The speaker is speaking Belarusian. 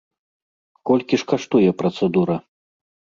Колькі ж каштуе працэдура?